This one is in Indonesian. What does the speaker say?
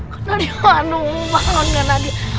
kanan dia bangun kanan dia